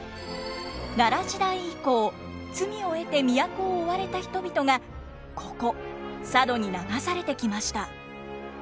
奈良時代以降罪を得て都を追われた人々がここ佐渡に流されてきました。